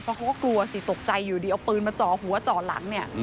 เพราะเขาก็กลัวสิตกใจอยู่ดีเอาปืนมาจ่อหัวจ่อหลังเนี่ย